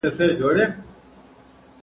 زه له سهاره پلان جوړوم.